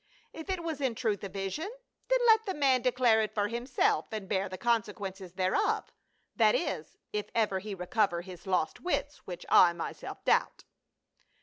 If it was in truth a vision, then let the man declare it for himself, and bear the consequences thereof — that is, if ever he recover his lost wits, which I myself doubt."